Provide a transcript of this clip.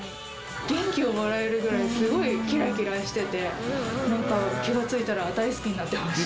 元気をもらえるぐらいすごいキラキラしててなんか気がついたら大好きになってました。